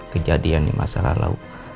kejadian di masa lalu